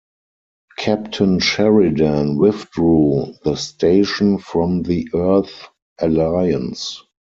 Captain Sheridan withdrew the station from the Earth Alliance.